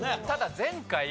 ただ前回。